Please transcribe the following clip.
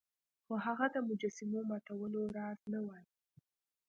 خو هغه د مجسمو ماتولو راز نه وایه.